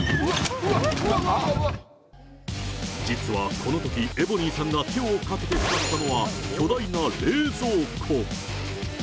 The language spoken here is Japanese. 実はこのときエボニーさんが手をかけて座ったのは、巨大な冷蔵庫。